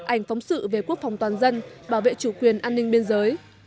ảnh phóng sự về quốc phòng toàn dân bảo vệ chủ quyền an ninh biên giới